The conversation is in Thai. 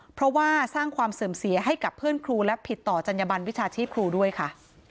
เพราะว่าสร้างความเสื่อมเสียให้กับเพื่อนครูและผิดต่อจัญญบันวิชาชีพครูด้วยค่ะ